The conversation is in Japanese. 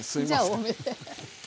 じゃあ多めで。